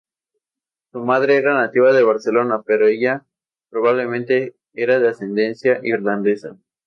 Su madre era nativa de Barcelona pero ella probablemente era de ascendencia irlandesa.